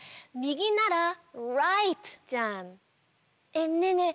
えっねえねえ